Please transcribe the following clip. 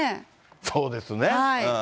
そうですね。